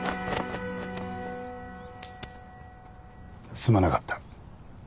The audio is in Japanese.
すまなかった。